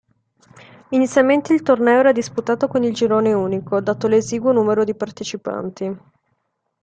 Inizialmente il torneo era disputato con il girone unico, dato l'esiguo numero di partecipanti.